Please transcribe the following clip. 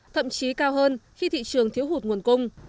thậm chí cao hơn khi thị trường thiếu hụt nguồn cung